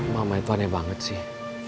mama itu aneh banget sih